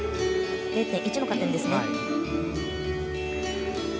０．１の加点です。